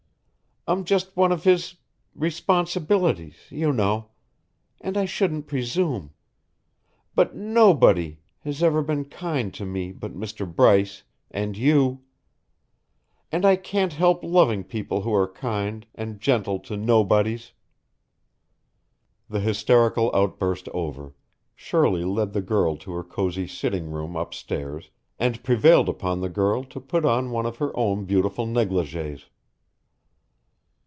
I'm just one of his responsibilities, you know; and I shouldn't presume. But nobody has ever been kind to me but Mr. Bryce and you. And I can't help loving people who are kind and gentle to nobodies." The hysterical outburst over, Shirley led the girl to her cozy sitting room upstairs and prevailed upon the girl to put on one of her own beautiful negligees.